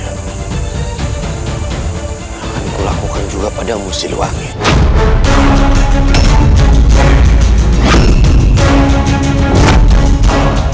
akan kulakukan juga pada musil wangit